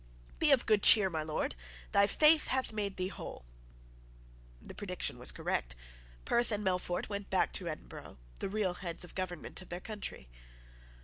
"Be of good cheer, my Lord; thy faith hath made thee whole." The prediction was correct. Perth and Melfort went back to Edinburgh, the real heads of the government of their country.